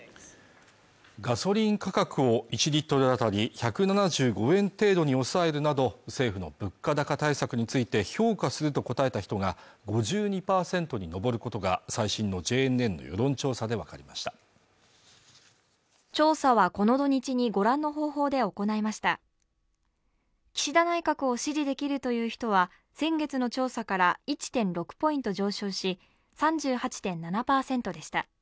ガソリン価格を１リットルあたり１７５円程度に抑えるなど政府の物価高対策について評価すると答えた人が５２％に上ることが最新のＪＮＮ世論調査でわかりました調査はこの土日にご覧の方法で行いました続いては関東大震災の教訓を未来につなぐ「つなぐ、つながる」プロジェクトです